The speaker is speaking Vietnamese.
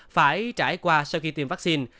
phải trải qua sau khi tiêm vaccine